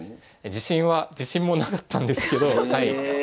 自信は自信もなかったんですけどなるほど。